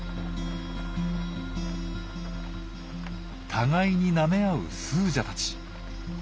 互いになめ合うスージャたち。